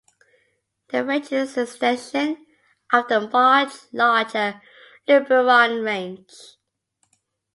The range is an extension of the much larger Luberon range.